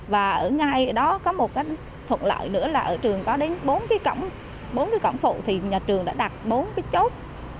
và ở ngay đó có một cái thuận loại nữa là ở trường có đến bốn cái cổng phụ thì nhà trường đã đặt bốn cái chốt